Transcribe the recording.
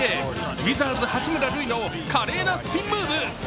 ウィザーズ・八村塁の華麗なスピンムーブ。